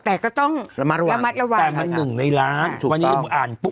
แต่ก็ต้องระมัดระวังแต่มัน๑ในล้านถูกต้องวันนี้อ่านปุ๊บ